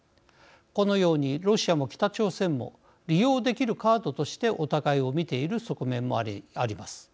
このようにロシアも北朝鮮も利用できるカードとしてお互いを見ている側面もあります。